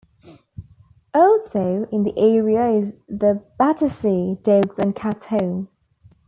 Also in the area is the Battersea Dogs and Cats Home.